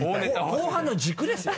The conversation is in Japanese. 後半の軸ですよ。